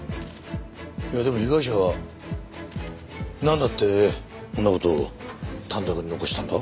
いやでも被害者はなんだってそんな事を短冊に残したんだ？